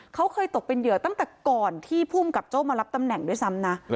เขาเคยตกเป็นเหยื่อตั้งแต่ก่อนที่ภูมิกับโจ้มารับตำแหน่งด้วยซ้ำนะ